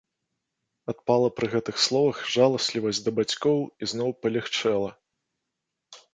Адпала пры гэтых словах жаласлівасць да бацькоў і зноў палягчэла.